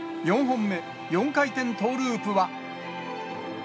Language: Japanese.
４本目、４回転トーループは。